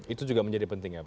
itu juga menjadi penting ya pak